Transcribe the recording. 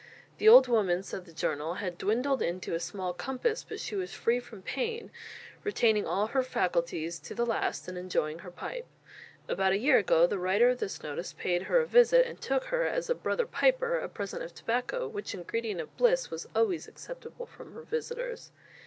The old woman, said the journal, "had dwindled into a small compass, but she was free from pain, retaining all her faculties to the last, and enjoying her pipe. About a year ago the writer of this notice paid her a visit, and took her, as a 'brother piper,' a present of tobacco, which ingredient of bliss was always acceptable from her visitors.